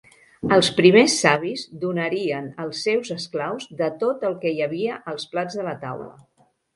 Els primers savis donarien als seus esclaus de tot el que hi havia als plats de la taula.